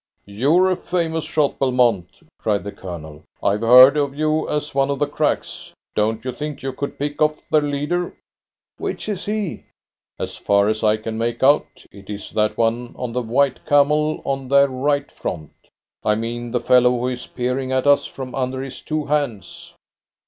"You're a famous shot, Belmont," cried the Colonel. "I've heard of you as one of the cracks. Don't you think you could pick off their leader?" "Which is he?" "As far as I can make out, it is that one on the white camel on their right front. I mean the fellow who is peering at us from under his two hands."